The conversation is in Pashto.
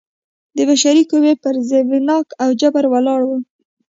د بشري قوې پر زبېښاک او جبر ولاړ و.